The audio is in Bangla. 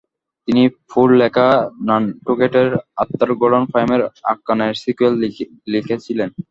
তিনি পোর লেখা নানটুকেটের আর্থার গর্ডন পাইমের আখ্যানের সিক্যুয়েল লিখেছিলেন।